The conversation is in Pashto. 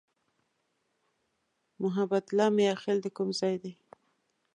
محبت الله "میاخېل" د کوم ځای دی؟